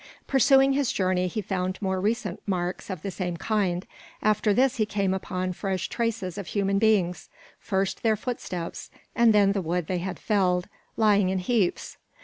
Pursuing his journey, he found more recent marks of the same kind; after this he came upon fresh traces of human beings; first their footsteps, and then the wood they had felled, lying in heaps.